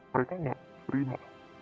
mereka tidak terima